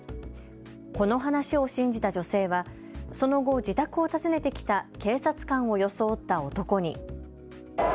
この話を信じた女性はその後、自宅を訪ねてきた警察官を装った男に。